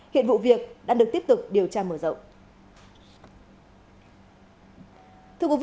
hiện vụ việc đã được tiếp tục điều tra mở rộng